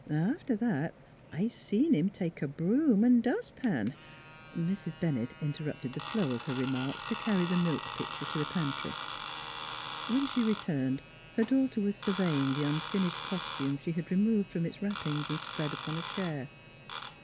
'N' after that I seen him take a broom 'n' dus' pan " Mrs. Bennett interrupted the flow of her re marks to carry the milk pitcher to the pantry. When she returned her daughter was surveying the unfinished costume she had removed from its wrappings and spread upon a chair.